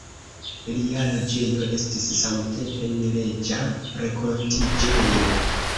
Lia loĝejo estis samtempe neleĝa renkontiĝejo.